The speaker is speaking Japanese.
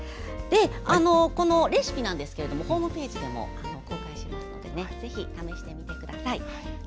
レシピですがホームページでも公開してますのでぜひ試してみてください。